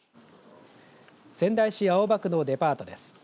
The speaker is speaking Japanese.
仙台市青葉区のデパートです。